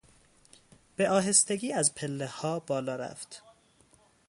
به آهستگی از پله ها بالا رفت.